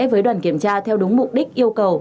với đoàn kiểm tra theo đúng mục đích yêu cầu